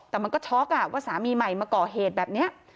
แต่มันก็ช็อกว่าสามีใหม่มาก่อเหตุแบบนี้